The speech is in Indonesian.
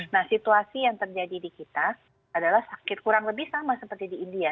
nah situasi yang terjadi di kita adalah sakit kurang lebih sama seperti di india